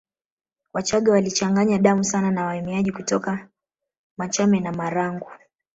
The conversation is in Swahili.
Wachaga walichanganya damu sana na wahamiaji toka Machame na Marangu